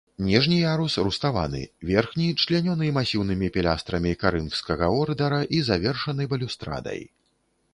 Ніжні ярус руставаны, верхні члянёны масіўнымі пілястрамі карынфскага ордара і завершаны балюстрадай.